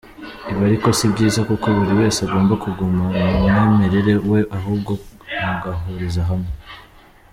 Ibi ariko si byiza kuko buri wese agomba kugumana umwimerere we ahubwo mugahuriza hamwe.